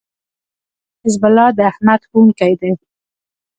حزب الله داحمد ښوونکی دی